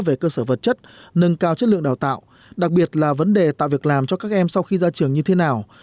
về cơ sở vật chất nâng cao chất lượng đào tạo đặc biệt là vấn đề tạo việc làm cho các em sau khi ra trường như thế nào